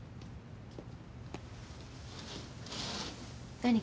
何か？